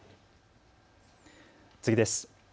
次です。